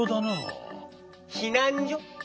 ひなんじょ？